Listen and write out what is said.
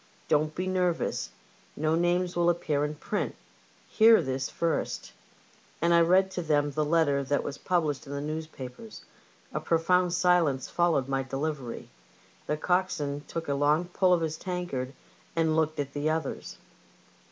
Don't be nervous. No names will appear in print. Hear this first ;" and I read to them the letter that was published in the newspapers. A profound silence followed my delivery; the coxswain took a long pull at his tankard and looked at the others.